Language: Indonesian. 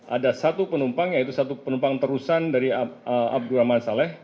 ada satu penumpang yaitu satu penumpang terusan dari abdurrahman saleh